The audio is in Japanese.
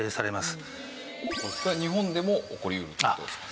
それは日本でも起こりうるという事ですか？